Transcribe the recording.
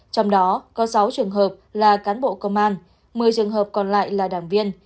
trong đó có sáu trường hợp là cán bộ công an một mươi trường hợp còn lại là đảng viên